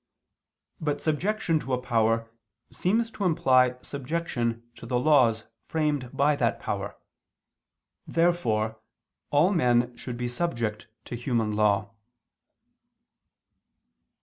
But subjection to a power seems to imply subjection to the laws framed by that power. Therefore all men should be subject to human law.